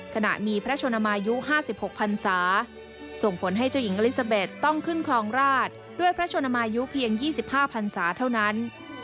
ขณะมีพระชนมายุ๕๖พันศาส่งผลให้เจ้าหญิงอลิซาเบสต้องขึ้นคลองราชด้วยพระชนมายุเพียง๒๕พันศาเท่านั้น